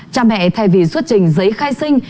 cha mẹ thay vì xuất trình giấy khai sinh